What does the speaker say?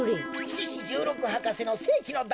獅子じゅうろく博士のせいきのだい